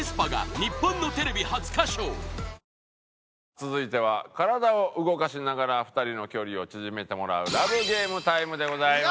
続いては体を動かしながら２人の距離を縮めてもらうＬＯＶＥＧＡＭＥタイムでございます。